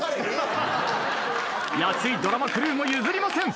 安いドラマクルーも譲りません。